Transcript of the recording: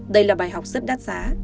đây là bài học rất đắt giá